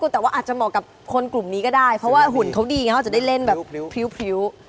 แต่ว่าอาจจะเหมาะกับคนกลุ่มนี้ก็ได้เพราะว่าหุ่นเขาดีไงเขาจะได้เล่นแบบพริ้ว